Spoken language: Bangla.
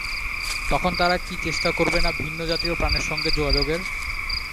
তখন তারা কি চেষ্টা করবে না ভিন্ন জাতীয় প্রাণের সঙ্গে যোগাযোগের?